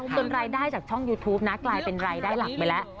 จนรายได้จากช่องยูทูปนะกลายเป็นรายได้หลักไปแล้ว